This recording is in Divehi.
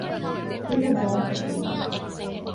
އޮފީހަށް ދާހިތަކުން ނޫން